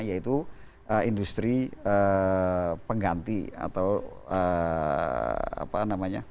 yaitu industri pengganti atau apa namanya